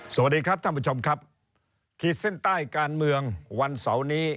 สวัสดีครับท่านผู้ชมครับขีดเส้นใต้การเมืองวันเสาร์นี้